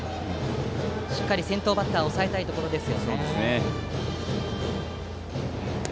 しっかり先頭バッターを抑えたいところです。